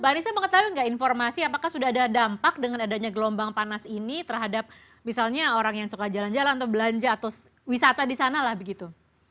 pak anissa mengetahui nggak informasi apakah sudah ada dampak dengan adanya gelombang panas ini terhadap misalnya orang yang suka jalan jalan atau belanja atau wisata di sana lah begitu